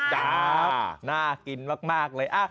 จ้าน่ากินมากเลย